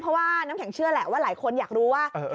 เพราะว่าน้ำแข็งเชื่อแหละว่าหลายคนอยากรู้ว่า